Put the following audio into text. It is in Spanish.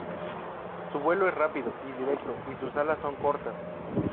Su vuelo es rápido y directo y sus alas son cortas.